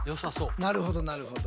なるほどなるほど。